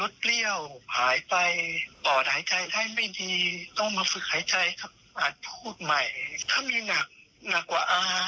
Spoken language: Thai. ออกไปฟังเสียงแค่หน่อยค่ะ